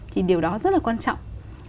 thì điều đó rất là quan trọng